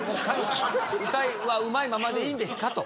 歌はうまいままでいいんですか？と。